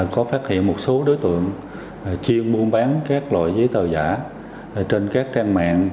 có phát hiện một số đối tượng chiên muôn bán các loại giấy tờ giả trên các trang mạng